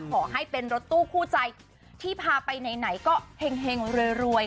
ขอให้เป็นรถตู้คู่ใจที่พาไปไหนก็เห็งรวย